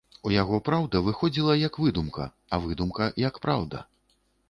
У яго праўда выходзіла, як выдумка, а выдумка, як праўда.